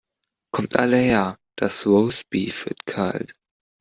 Kommt alle her das Roastbeef wird kalt.